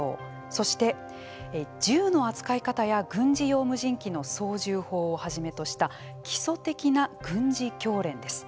そして銃の扱い方や軍事用無人機の操縦法をはじめとした基礎的な軍事教練です。